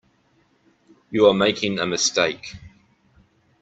You are making a mistake.